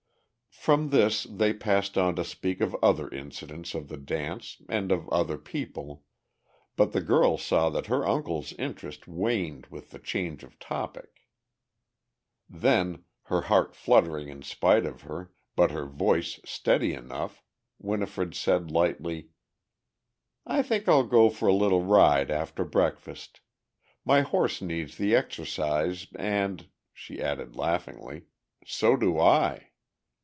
From this they passed on to speak of other incidents of the dance and of other people, but the girl saw that her uncle's interest waned with the change of topic. Then, her heart fluttering in spite of her, but her voice steady enough, Winifred said lightly: "I think I'll go for a little ride after breakfast. My horse needs the exercise, and," she added laughingly, "so do I."